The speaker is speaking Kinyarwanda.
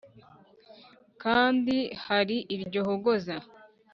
kandi hari iryo hogoza.